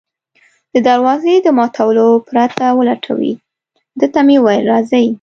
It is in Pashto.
د دروازې د ماتولو پرته ولټوي، ده ته مې وویل: راځئ.